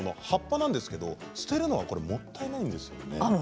葉っぱなんですけど捨てるのはもったいないですよね。